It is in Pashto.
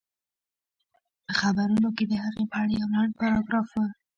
په خبرونو کې د هغې په اړه يو لنډ پاراګراف و